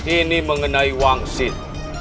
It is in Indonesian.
ini mengenai wang sin